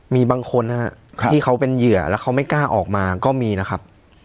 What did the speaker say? มีบางคนนะครับที่เขาเป็นเหยื่อแล้วเขาไม่กล้าออกมาก็มีนะครับ